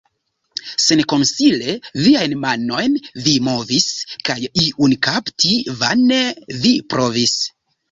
Senkonsile viajn manojn vi movis, kaj iun kapti vane vi provis.